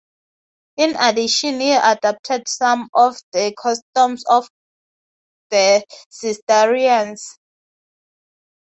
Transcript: In addition he adapted some of the customs of the Cistercians.